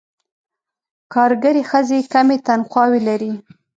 کارګرې ښځې کمې تنخواوې لري.